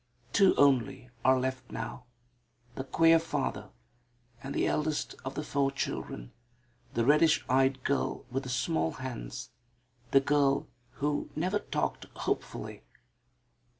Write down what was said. Two only are left now the queer father and the eldest of the four children, the reddish eyed girl with the small hands, the girl who "never talked hopefully."